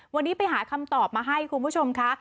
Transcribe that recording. วันนี้ไปหาคำตอบมาให้คุณผู้ชมค่ะ